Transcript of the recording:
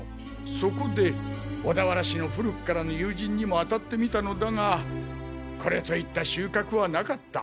そこで小田原氏の古くからの友人にも当たってみたのだがこれといった収穫はなかった。